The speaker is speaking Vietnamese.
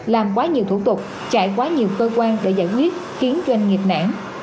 làm quá nhiều thủ tục chạy quá nhiều cơ quan để giải quyết khiến doanh nghiệp nản